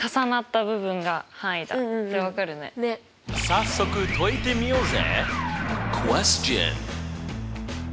早速解いてみようぜ！